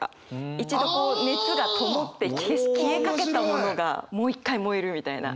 一度こう熱がともって消えかけたものがもう一回燃えるみたいなイメージ。